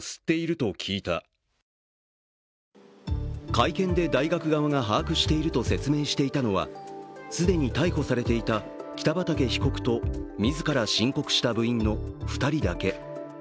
会見で大学側が把握していると説明していたのは既に逮捕されていた北畠被告と自ら申告した部員の２人だけ。